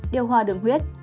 điều hòa đường huyết